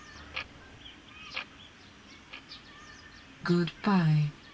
「グッバイ」。